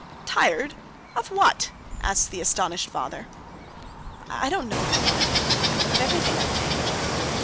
'Tired? Of what?' asked the astonished father. 'I don't know of what—of everything, I think.